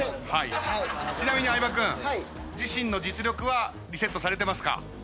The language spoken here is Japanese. ちなみに相葉君自身の実力はリセットされてますか？